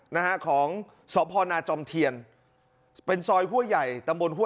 นะฮะของสพนาจอมเทียนเป็นซอยห้วยใหญ่ตำบลห้วย